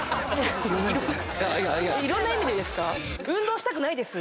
いろんな意味でですか